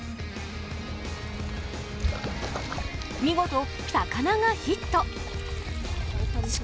見事、魚がヒット。